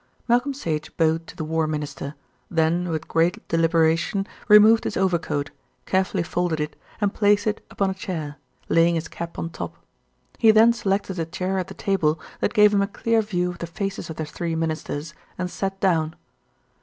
Malcolm Sage bowed to the War Minister, then with great deliberation removed his overcoat, carefully folded it, and placed it upon a chair, laying his cap on top. He then selected a chair at the table that gave him a clear view of the faces of the three Ministers, and sat down.